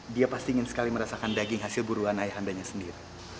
dia pasti ingin sekali merasakan daging hasil buruan ayah andanya sendiri